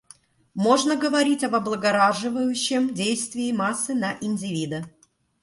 Можно говорить об облагораживающем действии массы на индивида.